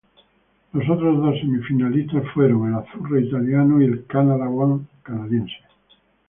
Los otros dos semifinalistas fueron el "Azzurra" italiano y el "Canada One" canadiense.